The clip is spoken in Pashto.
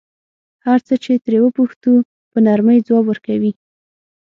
هر څه چې ترې وپوښتو په نرمۍ ځواب ورکوي.